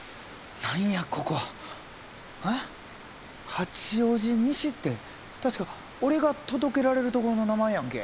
八王子西って確か俺が届けられるところの名前やんけ。